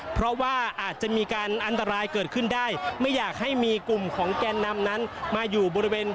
เพราะว่าอาจจะมีการอันตรายเกิดขึ้นได้ไม่อยากให้มีกลุ่มของแกนนำนั้นมาอยู่บริเวณ